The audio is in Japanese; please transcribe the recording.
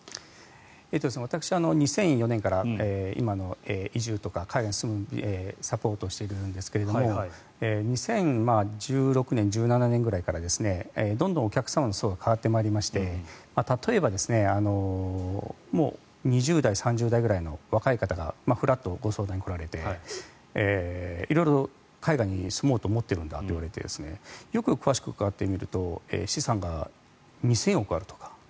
私、２００４年から今、移住とか海外に住むサポートをしているんですが２０１６年２０１７年ぐらいからどんどんお客様の層が変わってまいりまして例えば２０代３０代ぐらいの若い方がふらっとご相談に来られて色々、海外に住もうと思ってるんだと言われてよく、詳しく伺ってみると資産が２０００億あるとか。